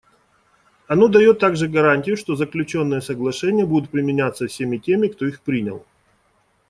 Оно дает также гарантию, что заключенные соглашения будут применяться всеми теми, кто их принял.